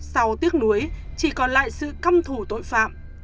sau tiếc nuối chỉ còn lại sự căm thù tội phạm